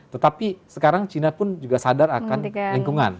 tetapi sekarang cina pun juga sadar akan lingkungan